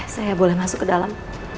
saya boleh masuk ke dalam